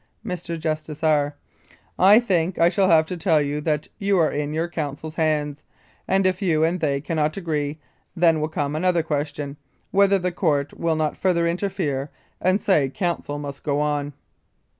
Mr. JUSTICE R.: I think I shall have to tell you that you are in your counsel's hands, and if you and they cannot agree, then will come another question whether the Court will not further interfere and say counsel must go on.